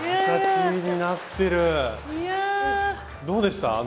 どうでした？